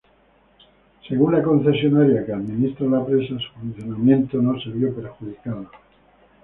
Según la concesionaria que administra la presa, su funcionamiento no se vio perjudicado.